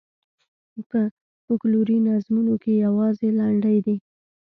په فوکلوري نظمونو کې یوازې لنډۍ دي.